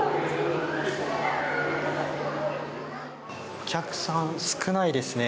お客さん、少ないですね。